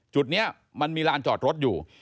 จุดนี้มันมีลานจอดรถอยู่